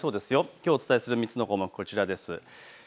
きょうお伝えする３つの項目、こちらです。